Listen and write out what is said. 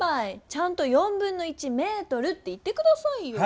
ちゃんと1/4メートルって言ってくださいよ！